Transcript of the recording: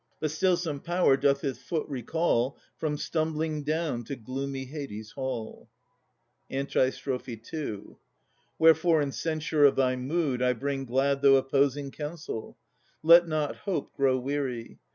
But still some power doth his foot recall From stumbling down to Hades' darkling hall. Wherefore, in censure of thy mood, I bring II 2 Glad, though opposing, counsel. Let not hope Grow weary.